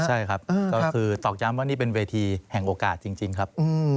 ใช่ครับก็คือตอกย้ำว่านี่เป็นเวทีแห่งโอกาสจริงครับ